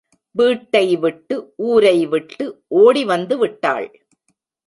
வீட்டை விட்டு, ஊரை விட்டு ஓடி வந்து விட்டாள்.